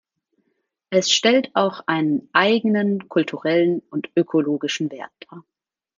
Es stellt auch einen eigenen kulturellen und ökologischen Wert dar.